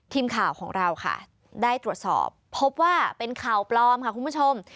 ทีมข่าวของเราค่ะได้ตรวจสอบพบว่าเป็นข่าวปลอมค่ะคุณผู้ชม